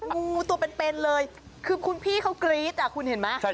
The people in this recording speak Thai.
งูตัวเป็นเลยคือคุณพี่เขากรี๊ดอ่ะคุณเห็นไหม